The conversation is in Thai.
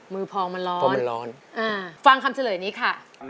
มือพองมันร้อนฟังมันร้อนอ่าฟังคำเจริญนี้ค่ะ